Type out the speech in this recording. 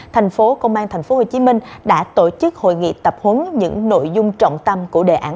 tp hcm đã tổ chức hội nghị tập huấn những nội dung trọng tâm của đề án sáu